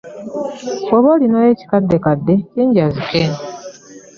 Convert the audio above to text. Bw'oba olinayo ekikaddekadde kinjazike.